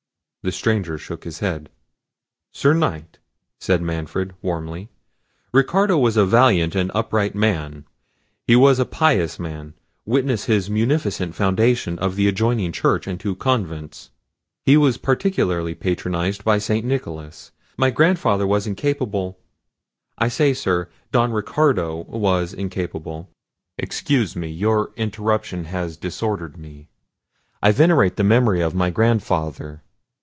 The stranger shook his head. "Sir Knight," said Manfred, warmly, "Ricardo was a valiant and upright man; he was a pious man; witness his munificent foundation of the adjoining church and two convents. He was peculiarly patronised by St. Nicholas—my grandfather was incapable—I say, Sir, Don Ricardo was incapable—excuse me, your interruption has disordered me. I venerate the memory of my grandfather.